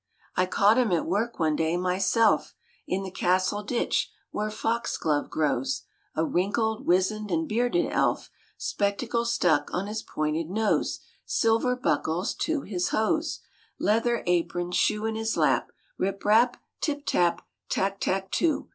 I caught him at work one day, myself, In the castle ditch, where foxglove grows, A wrinkled, wizen'd, and bearded Elf, Spectacles stuck on his pointed nose, Silver buckles to his hose, Leather apron shoe in his lap ''Rip rap, tip tap, Tack tack too